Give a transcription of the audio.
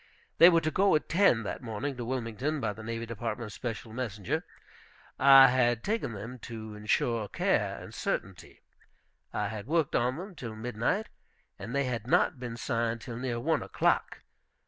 They were to go at ten that morning to Wilmington, by the Navy Department's special messenger. I had taken them to insure care and certainty. I had worked on them till midnight, and they had not been signed till near one o'clock.